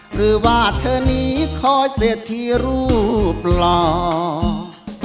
หรือรังเกียจฉันนั้นมันดำม่อต่อ